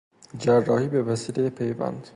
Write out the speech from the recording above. جراحی بوسیلهُ پیوند